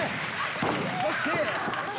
そして。